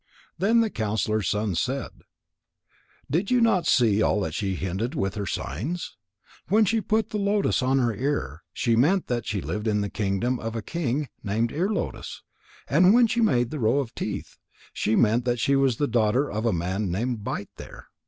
Then the counsellor's son said: "Did you not see all that she hinted with her signs? When she put the lotus on her ear, she meant that she lived in the kingdom of a king named Ear lotus. And when she made the row of teeth, she meant that she was the daughter of a man named Bite there.